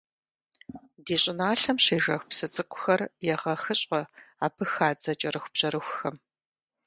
Ди щӏыналъэм щежэх псы цӀыкӀухэр егъэхыщӀэ абы хадзэ кӀэрыхубжьэрыхухэм.